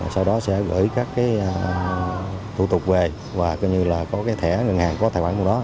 sau đó sẽ gửi các cái thủ tục về và coi như là có cái thẻ ngân hàng có tài khoản của nó